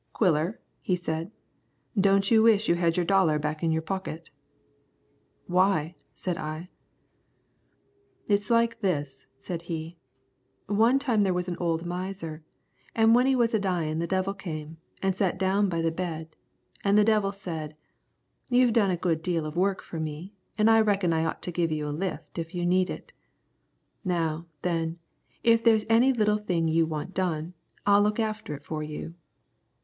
"Quiller," he said, "don't you wish you had your dollar back in your pocket?" "Why?" said I. "It's like this," said he. "One time there was an' old miser, an' when he was a dyin' the devil come, an' set down by the bed, an' the devil said, 'You've done a good deal of work for me, an' I reckon I ought to give you a lift if you need it. Now, then, if there's any little thing you want done, I'll look after it for you.'